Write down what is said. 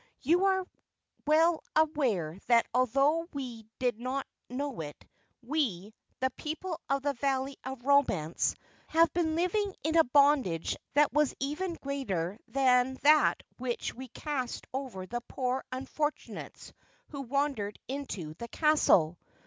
You are well aware that although we did not know it, we, the people of the Valley of Romance, have been living in a bondage that was even greater than that which we cast over the poor unfortunates who wandered into the castle.